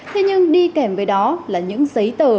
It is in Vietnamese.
thế nhưng đi kèm với đó là những giấy tờ